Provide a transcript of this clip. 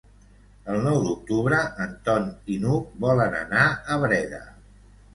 El nou d'octubre en Ton i n'Hug volen anar a Breda.